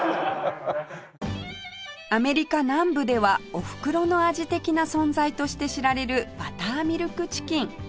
アメリカ南部ではおふくろの味的な存在として知られるバターミルクチキン